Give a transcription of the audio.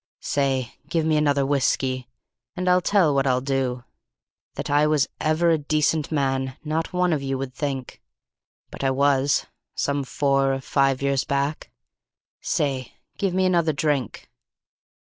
Say! Give me another whiskey, and I'll tell what I'll do That I was ever a decent man not one of you would think; But I was, some four or five years back. Say, give me another drink.